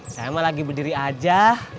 saya emang lagi berdiri aja